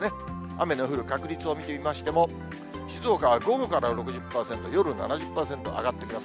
雨の降る確率を見てみましても、静岡は午後から６０％、夜７０％、上がってきます。